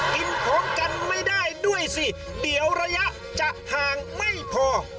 กินของกันไม่ได้ด้วยสิเดี๋ยวระยะจะห่างไม่พอ